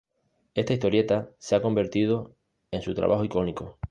Esta historieta se ha convertido en su trabajo icónico.